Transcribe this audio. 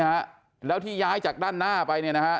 นะฮะแล้วที่ย้ายจากด้านหน้าไปเนี่ยนะฮะ